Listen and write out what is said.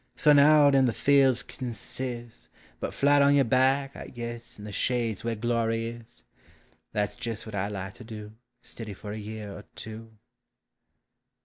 Sun out in the fields kin sizz, But flat on your back, I guess, In the shade 's where glory is ! That 's jes' what I 'd like to do Stiddy for a year or two